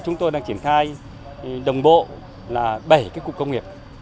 chúng tôi đang triển khai đồng bộ bảy cục công nghiệp